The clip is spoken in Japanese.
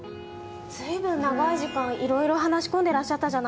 随分長い時間いろいろ話し込んでらっしゃったじゃないですか。